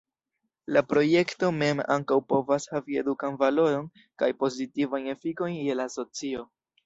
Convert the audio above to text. La projekto mem ankaŭ povas havi edukan valoron kaj pozitivajn efikojn je la socio.